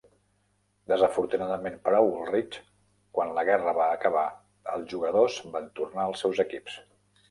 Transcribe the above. Desafortunadament per a Ullrich, quan la guerra va acabar, els jugadors van tornar als seus equips.